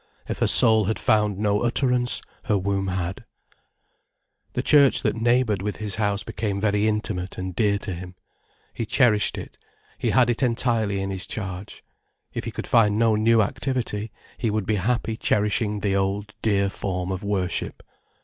If her soul had found no utterance, her womb had. The church that neighboured with his house became very intimate and dear to him. He cherished it, he had it entirely in his charge. If he could find no new activity, he would be happy cherishing the old, dear form of worship.